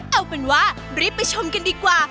เอาเป็นว่ารีบไปชมกันดีกว่า